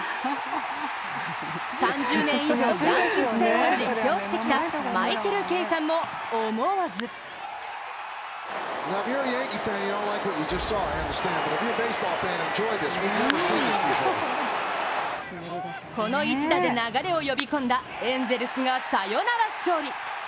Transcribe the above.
３０年以上、ヤンキース戦を実況してきたマイケル・ケイさんも思わずこの１打で流れを呼び込んだエンゼルスがサヨナラ勝利。